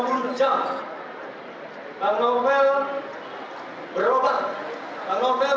kita salgupkan kawan kawan d kawan